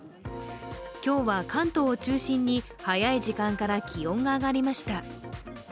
今日は関東を中心に、早い時間から気温が上がりました。